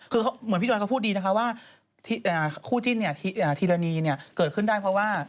คือเหมือนพี่จอยก็พูดดีนะคะว่าคู่จิ้นทีรณีเนี่ยเกิดขึ้นได้เพราะว่า